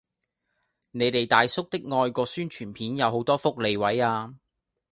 你哋大叔的愛個宣傳片有好多福利位啊